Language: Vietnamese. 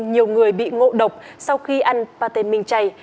nhiều người bị ngộ độc sau khi ăn pate minh chay